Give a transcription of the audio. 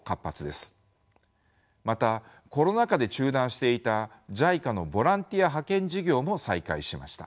またコロナ禍で中断していたＪＩＣＡのボランティア派遣事業も再開しました。